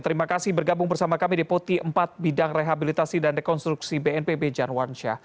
terima kasih bergabung bersama kami deputi empat bidang rehabilitasi dan rekonstruksi bnpb jan wansyah